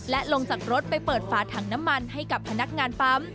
และลงจากรถไปเปิดฝาถังน้ำมันให้กับพนักงานปั๊ม